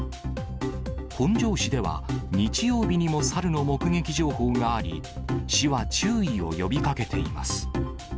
本庄市では、日曜日にもサルの目撃情報があり、市は注意を呼びかけています。